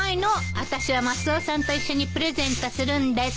あたしはマスオさんと一緒にプレゼントするんです。